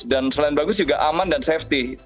dan selain bagus juga aman dan safety